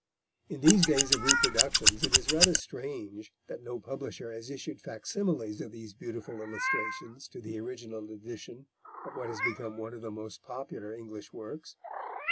In these days of reproductions, it is rather strange that no publisher has issued facsimiles of these beautiful illustrations to the original edition of what has become one of the most popular English works.